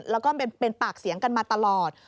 แล้วก็เป็นปากเสียงกันมาตลอด